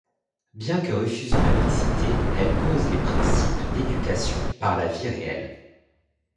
Bien que refusant la mixité, elle pose les principes d'éducation par la vie réelle.